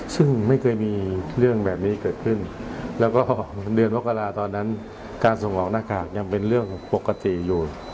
ซึ่งไม่เคยมีเรื่องแบบนี้เกิดขึ้นแล้วก็เดือนมกราตอนนั้นการส่งออกหน้ากากยังเป็นเรื่องปกติอยู่